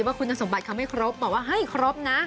ว่าคุณสมบัติเขาไม่ครบบอกว่าให้ครบนะ